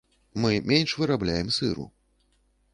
Мы менш вырабляем сыру.